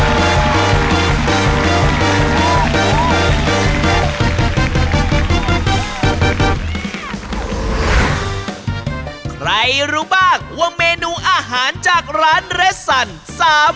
ใครรู้บ้างว่าเมนูอาหารจากร้านเรสสัน